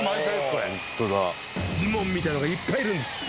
これジモンみたいのがいっぱいいるんです